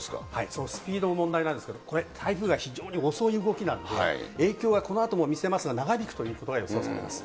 そのスピードも問題なんですけど、台風が非常に遅い動きなんで、影響はこのあとも見せますが、長引くということが予想されます。